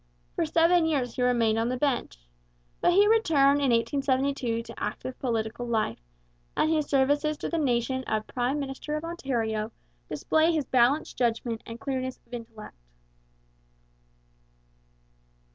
For seven years he remained on the bench. But he returned in 1872 to active political life, and his services to the nation as prime minister of Ontario display his balanced judgment and clearness of intellect.